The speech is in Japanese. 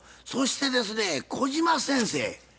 そしてですね小島先生